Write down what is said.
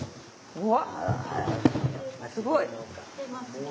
うわ！